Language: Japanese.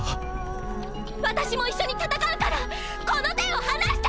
私も一緒に戦うからこの手を放して！！